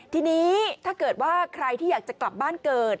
ทีนี้ถ้าเกิดว่าใครที่อยากจะกลับบ้านเกิด